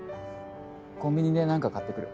コンビニでなんか買ってくる。